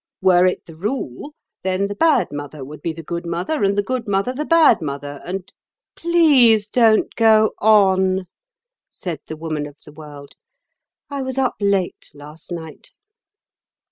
Were it the rule, then the bad mother would be the good mother and the good mother the bad mother. And—" "Please don't go on," said the Woman of the World. "I was up late last night."